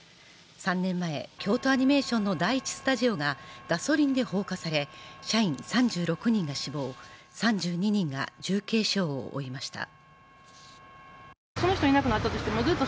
３年前、京都アニメーションの第１スタジオがガソリンで放火され社員３６人が死亡、３２人が重軽傷を負いました。